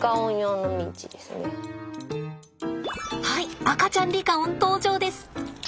はい赤ちゃんリカオン登場です。